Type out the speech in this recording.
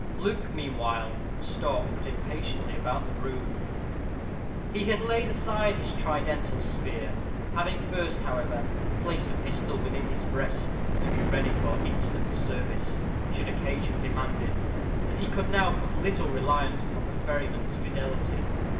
Luke, meanwhile, stalked impatiently about the room. He had laid aside his tridental spear, having first, however, placed a pistol within his breast to be ready for instant service, should occasion demand it, as he could now put little reliance upon the ferryman's fidelity.